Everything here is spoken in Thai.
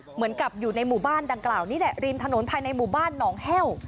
เหมือนกับอยู่ในหมู่บ้านดังกล่าวนี่แหละริมถนนภายในหมู่บ้านหนองแห้ว